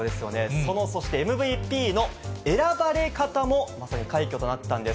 その、そしてＭＶＰの選ばれ方も、まさに快挙となったんです。